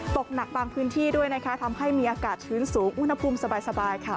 ตกหนักบางพื้นที่ด้วยนะคะทำให้มีอากาศชื้นสูงอุณหภูมิสบายค่ะ